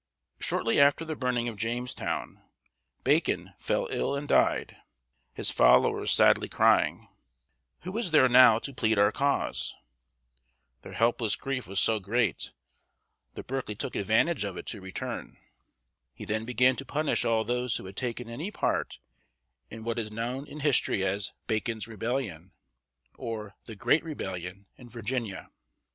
Shortly after the burning of Jamestown, Bacon fell ill and died, his followers sadly crying: "Who is there now to plead our cause?" Their helpless grief was so great that Berkeley took advantage of it to return. He then began to punish all those who had taken any part in what is known in history as "Bacon's Rebellion," or the "Great Rebellion" in Virginia.